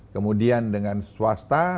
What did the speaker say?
kemudian dengan swasta